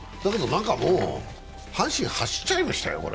阪神、走っちゃいましたよ。